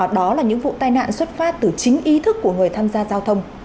đó là những vụ tai nạn xuất phát từ chính ý thức của người tham gia giao thông